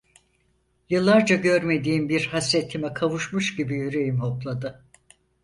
Yıllarca görmediğim bir hasretime kavuşmuş gibi yüreğim hopladı.